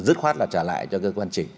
dứt khoát là trả lại cho cơ quan chỉnh